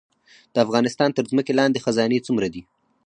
د افغانستان تر ځمکې لاندې خزانې څومره دي؟